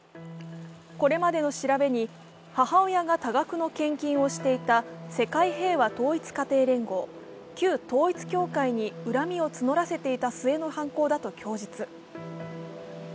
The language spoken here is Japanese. これまでの調べに、母親が多額の献金をしていた世界平和統一家庭連合、旧統一教会に恨みを募らせていた末の犯行だと供述。